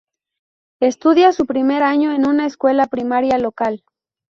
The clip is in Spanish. Estudia su primer año en una escuela primaria local.